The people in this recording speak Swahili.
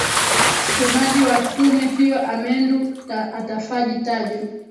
semaji wa tume hiyo amendu atafaji tajo